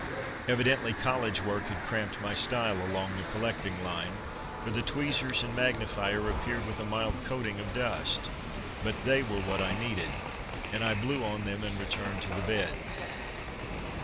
Evidently college work had cramped my style along the collecting line, for the tweezers and magnifier appeared with a mild coating of dust. But they were what I needed, and I blew on them and returned to the bed.